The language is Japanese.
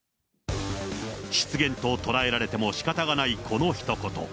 失言と捉えられてもしかたがないこのひと言。